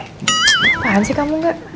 apaan sih kamu gak